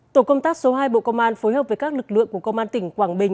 tổ công tác số hai bộ công an phối hợp với các lực lượng của công an tỉnh quảng bình